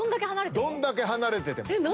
どんだけ離れても？